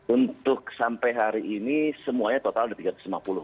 untuk sampai hari ini semuanya total ada tiga ratus lima puluh